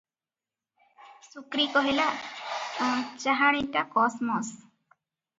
"ଶୁକ୍ରୀ କହିଲା," ଚାହାଣିଟା କସ୍ ମସ୍ ।"